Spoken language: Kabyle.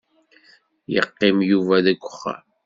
Yeqqim Yuba deg uxxam.